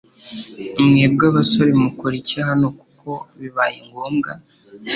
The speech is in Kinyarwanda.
Mwebwe abasore mukora iki hano kuko bibaye ngombwa